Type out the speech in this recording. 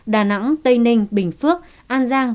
đà nẵng tây ninh bình phước an giang